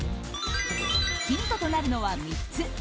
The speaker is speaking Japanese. ヒントとなるのは３つ。